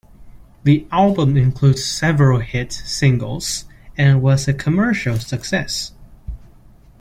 The album includes several hit singles and was a commercial success.